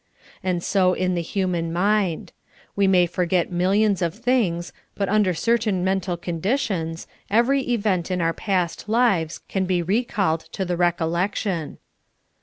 And so in the human mind ; we may forget millions of things, but under certain men tal conditions, every event in our past lives can be re called to the recollection.